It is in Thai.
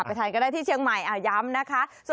ทานก็ได้ที่เชียงใหม่ย้ำนะคะ